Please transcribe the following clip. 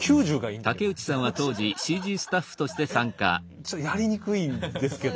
「えちょっとやりにくいんですけど」みたいな。